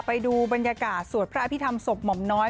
ไปดูบรรยากาศสวดพระอภิษฐรรมศพหม่อมน้อย